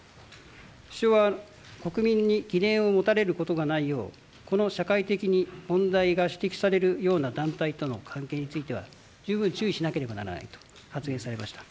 首相は国民に疑念を持たれることがないようこの社会的に問題が指摘されるような団体との関係については十分注意しなければならないと発言されました。